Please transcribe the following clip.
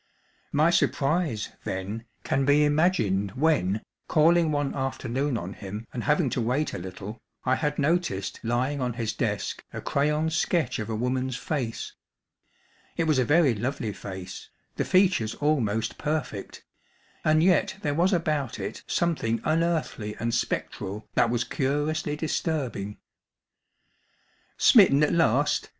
My surprise, then, can be imagined when, calling one afternoon on him and having to wait a little, I had noticed lying on his desk a crayon sketch of a woman's face. It was a very lovely face, the features almost perfect, and yet there was about it something unearthly and spectral that was curiously disturbing. "Smitten at last?"